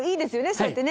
そうやってね。